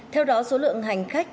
theo đó số lượng hành khách